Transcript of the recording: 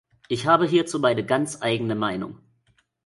Ich habe hierzu meine ganz eigene Meinung.